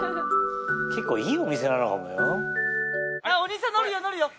結構いいお店なのかもよ。